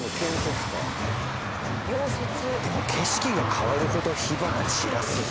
でも景色が変わるほど火花散らすって。